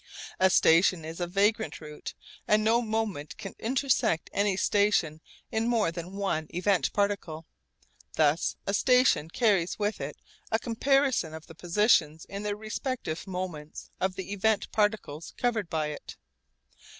A station is a vagrant route and no moment can intersect any station in more than one event particle. Thus a station carries with it a comparison of the positions in their respective moments of the event particles covered by it.